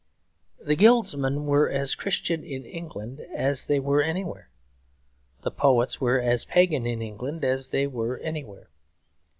The guildsmen were as Christian in England as they were anywhere; the poets were as pagan in England as they were anywhere.